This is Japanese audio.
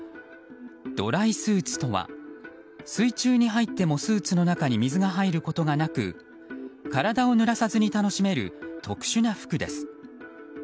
ドライスーツとは水中に入ってもスーツの中に水が入ることがなく体をぬらさずに楽しめる、特殊な服です。